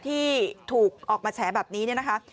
ที่ถูกออกมาแฉแบบนี้เนี่ยนะคะ